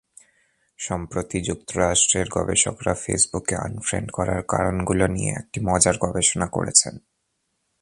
সম্প্রতি যুক্তরাষ্ট্রের গবেষকেরা ফেসবুকে আনফ্রেড করার কারণগুলো নিয়ে একটি মজার গবেষণা করেছেন।